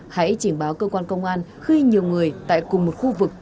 hãy chỉnh báo cơ quan công an khi nhiều người tại cùng một khu vực